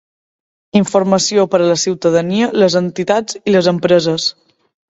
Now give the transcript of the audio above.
Informació per a la ciutadania, les entitats i les empreses.